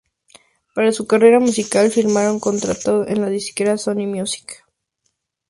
Para su carrera musical firmaron contrato con la disquera Sony Music.